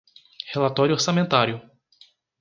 Relatório orçamentário